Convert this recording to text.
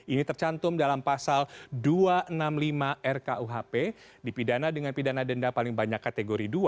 ini tercantum dalam pasal dua ratus enam puluh lima rkuhp dipidana dengan pidana denda paling banyak kategori dua